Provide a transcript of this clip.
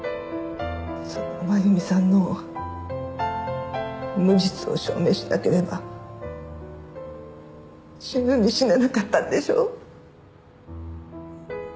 その真弓さんの無実を証明しなければ死ぬに死ねなかったんでしょ？